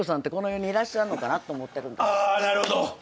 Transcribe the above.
あなるほど。